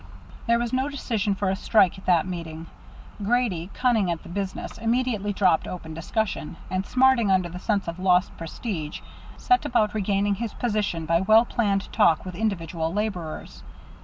There was no decision for a strike at that meeting. Grady, cunning at the business, immediately dropped open discussion, and, smarting under the sense of lost prestige, set about regaining his position by well planned talk with individual laborers.